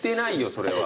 それは。